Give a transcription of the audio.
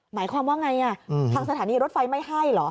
หมายความว่าไงทางสถานีรถไฟไม่ให้เหรอ